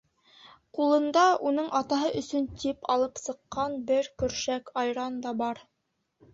Ҡулында уның атаһы өсөн тип алып сыҡҡан бер көршәк айран да бар.